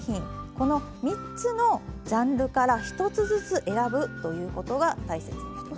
この３つのジャンルから１つずつ選ぶということが大切になります。